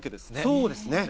そうですね。